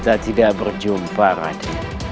aku tidak akan menemukanmu selama ini